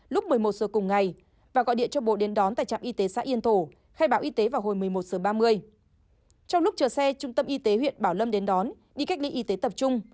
lúc một mươi một giờ cùng ngày và gọi điện cho bộ đến đón tại trạm y tế xã yên tổ khai báo y tế vào hồi một mươi một giờ ba mươi